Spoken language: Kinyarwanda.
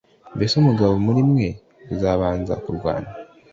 Mbese umugabo muri mwe uzabanza kurwana